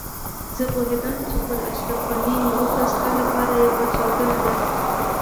زه پوهېدم چې پر اشرف غني نيوکه ستا لپاره يوه چاودنه ده.